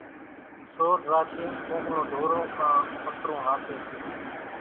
سور راچين ڪونڪ نون ڍورون ڪان ٻڪرون هاڪِي زائيَ سي۔